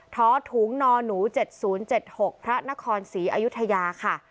ท้อถุงนหนู๗๐๗๖พระนครศรีอยุธยาค่ะ